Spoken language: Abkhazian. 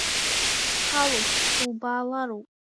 Схалом, сылбаалароуп.